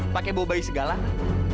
pakai bobai segalanya